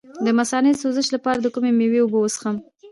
د مثانې د سوزش لپاره د کومې میوې اوبه وڅښم؟